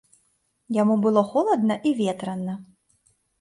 Яму было холадна і ветрана.